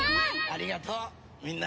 ありがとうみんな！